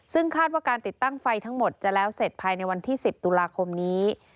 ซึ่งคาดว่าการติดตั้งไฟทั้งหมดจะแล้วเสร็จภายในวันที่๑๐ตุลาคมนี้